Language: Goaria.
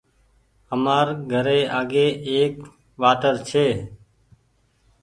همآري گھري آگي ايڪ واٽر ڇي